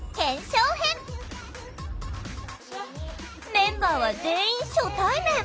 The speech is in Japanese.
メンバーは全員初対面！